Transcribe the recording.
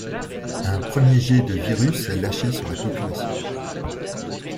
Un premier jet de virus est lâché sur la population.